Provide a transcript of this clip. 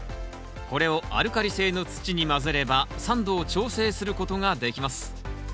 これをアルカリ性の土に混ぜれば酸度を調整することができます。